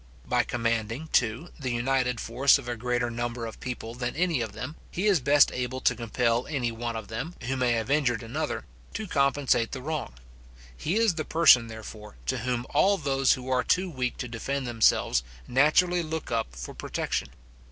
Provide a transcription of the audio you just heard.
By commanding, too, the united force of a greater number of people than any of them, he is best able to compel any one of them, who may have injured another, to compensate the wrong. He is the person, therefore, to whom all those who are too weak to defend themselves naturally look up for protection.